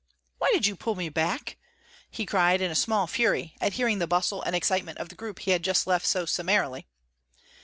"Why did you pull me back?" he cried in a small fury at hearing the bustle and excitement of the group he had just left so summarily.